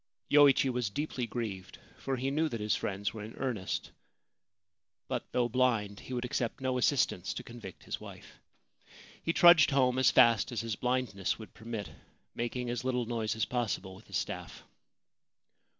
Yoichi was deeply grieved, for he knew that his friends were in earnest ; but, though blind, he would accept no assistance to convict his wife. He trudged home as fast as his blindness would permit, making as little noise as possible with his staff.